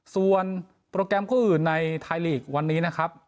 ส่วนโปรแกรมคู่อื่นในไทยลีกวันนี้นะครับ